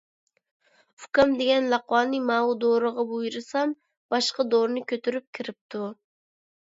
ئۇكام دېگەن لەقۋانى ماۋۇ دورىغا بۇيرۇسام، باشقا دورىنى كۆتۈرۈپ كىرىپتۇ.